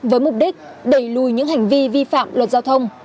với mục đích đẩy lùi những hành vi vi phạm luật giao thông